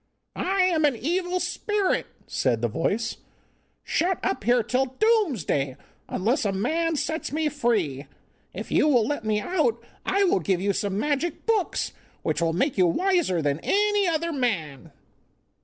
'I am an evil spirit,' said the voice, 'shut up here till Doomsday, unless a man sets me free. If you will let me out I will give you some magic books, which will make you wiser than any other man.